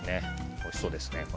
おいしそうですね。